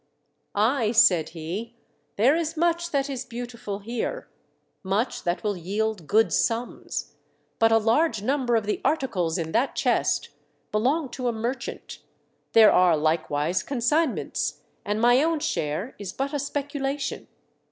"Ay," said he, "there is much that is beautiful here. Much that will yield good sums. But a large number of the articles in that chest belong to a merchant ; there are likewise consignments, and my own share is but a speculation."